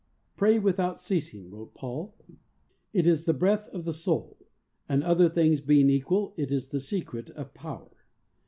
"Pray without ceasing," wrote Paul. It is the breath of the soul, and other things being equal, it is the secret of power.